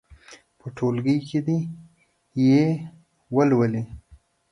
په ټولګي کې دې یې ولولي.